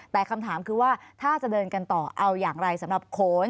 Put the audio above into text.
แต่คำถามคือว่าถ้าจะเดินกันต่อเอาอย่างไรสำหรับโขน